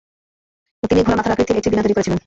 তিনি ঘোড়ার মাথার আকৃতির একটি বীণা তৈরি করেছিলেন।